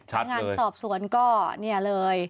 ถ้างานสอบสวนก็นี่เลย